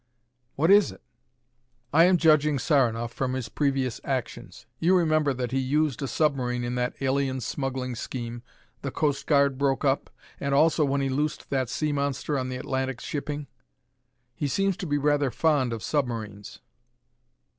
"What is it?" "I am judging Saranoff from his previous actions. You remember that he used a submarine in that alien smuggling scheme the Coast Guard broke up, and also when he loosed that sea monster on the Atlantic shipping? He seems to be rather fond of submarines."